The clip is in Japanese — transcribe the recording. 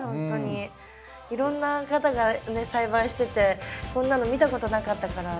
いろんな方がね栽培しててこんなの見たことなかったから。